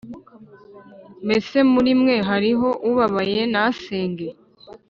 mbese muri mwe hariho ubabaye nasenge